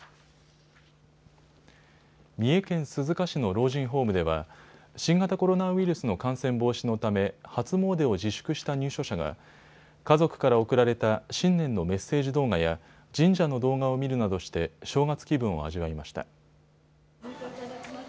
三重県鈴鹿市の老人ホームでは新型コロナウイルスの感染防止のため初詣を自粛した入所者が家族から送られた新年のメッセージ動画や神社の動画を見るなどして正月気分を味わいました。